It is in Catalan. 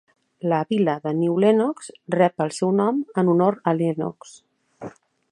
La vil·la de New Lenox, rep el seu nom en honor a Lenox.